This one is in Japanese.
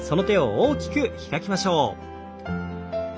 大きく開きましょう。